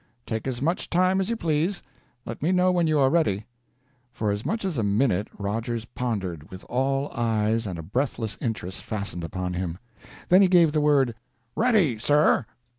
"Take as much time as you please. Let me know when you are ready." For as much as a minute Rogers pondered, with all eyes and a breathless interest fastened upon him. Then he gave the word: "Ready, sir."